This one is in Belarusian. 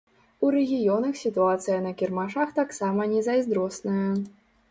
У рэгіёнах сітуацыя на кірмашах таксама незайздросная.